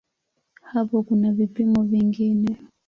Hapo kuna vipimo vingine.